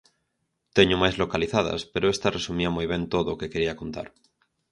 Teño máis localizadas, pero esta resumía moi ben todo o que quería contar.